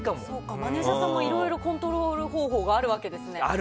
マネージャーさんもいろいろコントロール方法があるわけですね。